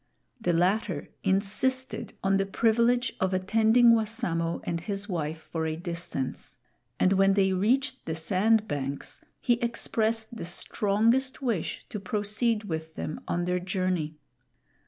The latter insisted on the privilege of attending Wassamo and his wife for a distance, and when they reached the sand banks he expressed the strongest wish to proceed with them on their journey.